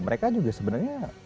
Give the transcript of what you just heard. mereka juga sebenarnya